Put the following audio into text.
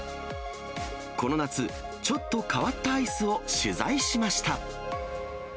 この夏、ちょっと変わったアイスを取材しました。